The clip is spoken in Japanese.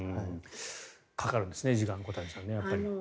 かかるんですね、時間小谷さん、やっぱり。